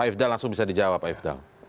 pak ifdal langsung bisa dijawab pak ifdal